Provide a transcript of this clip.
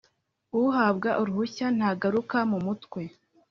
Uhabwa uruhushya ntagaruke mu mutwe